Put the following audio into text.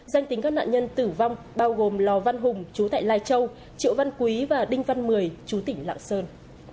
danh tính các nạn nhân tử vong bao gồm lò văn hùng chú tại lai châu triệu văn quý và đinh văn mười chú tỉnh lạng sơn